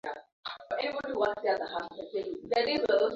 alama ya kujumlisha mbili tano tano